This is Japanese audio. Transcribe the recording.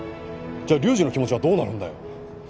じゃあ龍二の気持ちはどうなるんだよ。